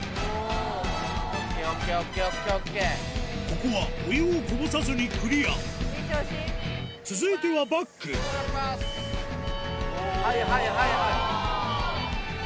ここはお湯をこぼさずにクリア続いてはバックはいはいはいはい。